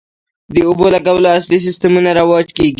د اوبولګولو عصري سیستمونه رواج کیږي